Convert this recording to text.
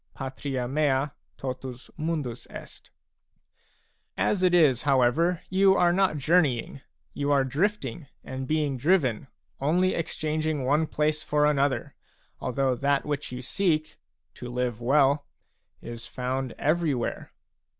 a As it is, however, you are not journeying ; you are drifting and being driven, only exchanging one place for another, although that which you seek, — to live well, — is found everywhere.